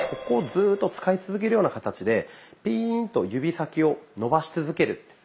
ここをずっと使い続けるような形でピーンと指先を伸ばし続ける。